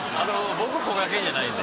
僕こがけんじゃないんで。